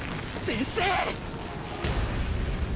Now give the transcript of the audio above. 先生！！